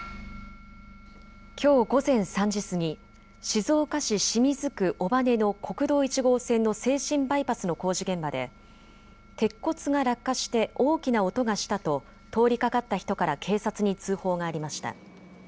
きょう午前３時過ぎ、静岡市清水区尾羽の国道１号線の静清バイパスの工事現場で鉄骨が落下して大きな音がしたと通りかかった人から警察に通報がありました。